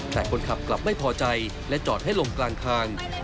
แต่คนขับกลับไม่พอใจและจอดให้ลงกลางทาง